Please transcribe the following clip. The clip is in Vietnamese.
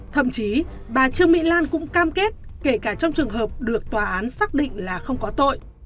thậm chí bà trương mỹ lan cũng cam kết kể cả trong trường hợp được tòa án xác định là không có tội